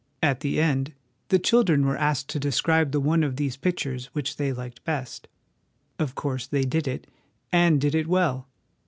At the end, the children were asked to describe the one of these pictures which they liked best. Of course they did it, and did it well.